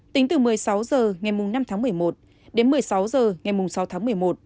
tính từ một mươi sáu h ngày năm tháng một mươi một đến một mươi sáu h ngày sáu tháng một mươi một